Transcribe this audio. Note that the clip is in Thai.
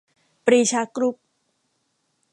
ปรีชากรุ๊ป